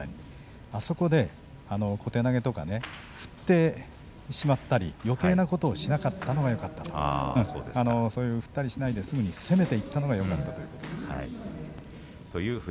あそこで小手投げとかね振ってしまったりよけいなことをしなかったのがよかったとすぐに攻めていったのがよかったと話していました。